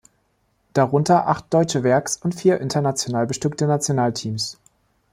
Darunter acht deutsche Werks- und vier international bestückte Nationalteams.